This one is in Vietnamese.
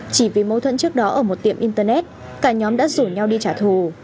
chỉ vì mâu thuẫn trước đó ở một tiệm internet cả nhóm đã rủ nhau đi trả thù